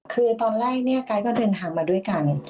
คือตอนแรกกายก็เดินทางมาด้วยกัน